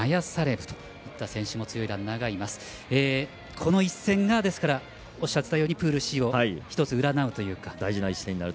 この一戦がおっしゃってたようにプールＣを一つ、占うというか。